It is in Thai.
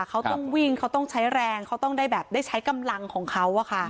เขาต้องวิ่งเขาต้องใช้แรงเขาต้องได้แบบได้ใช้กำลังของเขา